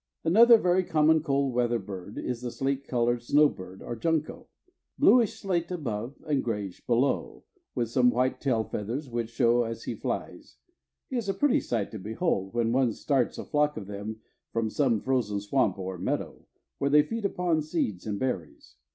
Another very common cold weather bird is the slate colored snowbird or junco. Bluish slate above and grayish below, with some white tail feathers which show as he flies, he is a pretty sight to behold when one starts a flock of them from some frozen swamp or meadow, where they feed upon seeds and berries.